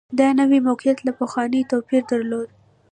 دا نوي موقعیت له پخواني توپیر درلود